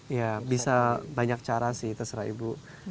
ya bisa banyak cara sih terserah ibu